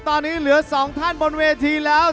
ตอนนี้เหลือ๒ท่านบนเวทีแล้ว